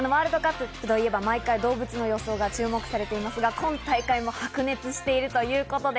ワールドカップといえば毎回、動物の予想が注目されていますが、今大会も白熱しているということです。